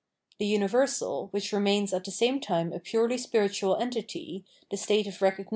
The universal, which remains at the same time a purely spiritual entity, the state of recognition or * Viz.